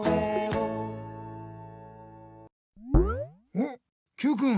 あっＱくん